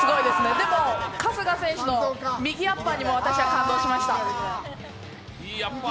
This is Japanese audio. でも春日選手の右アッパーにも私は感動しました。